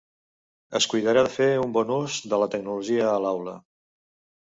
Es cuidarà de fer un bon ús de la tecnologia a l'aula.